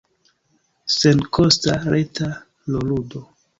Senkosta, reta rolludo.